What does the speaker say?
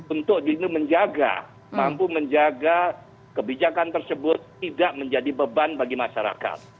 untuk menjaga mampu menjaga kebijakan tersebut tidak menjadi beban bagi masyarakat